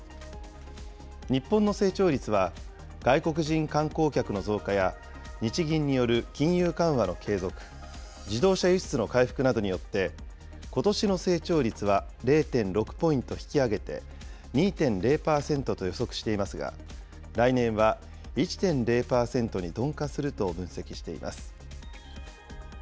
日本の成長率は、外国人観光客の増加や、日銀による金融緩和の継続、自動車輸出の回復などによって、ことしの成長率は０．６ポイント引き上げて２．０％と予測していますが、来年は１．０％に鈍化すると分析しています。